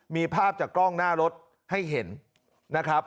มีภาพจากกล้องหน้ารถให้เห็นนะครับ